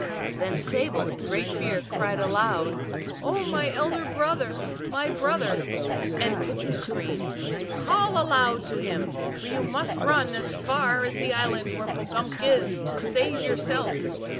Then Sable, in great fear, cried aloud, " Oh, my elder brother, my 48 THE ALGONQUIN LEGENDS. brother !" And Pitcher screamed, " Call aloud to him, for you must run as far as the island where Po gumk is, to save yourself